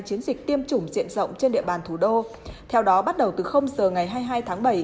chiến dịch tiêm chủng diện rộng trên địa bàn thủ đô theo đó bắt đầu từ giờ ngày hai mươi hai tháng bảy